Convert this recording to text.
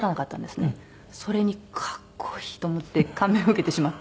それに格好いい！と思って感銘を受けてしまって。